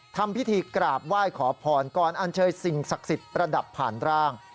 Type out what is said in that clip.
ทำพิธีกราบไหว้ขอพรก่อนอันเชยสิ่งศักดิ์สิทธิ์ประดับผ่านร่าง